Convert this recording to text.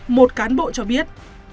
một cán bộ cho biết